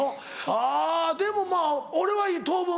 あぁでもまぁ俺はいいと思う。